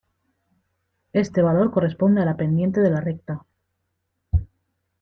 Este valor corresponde a la pendiente de la recta.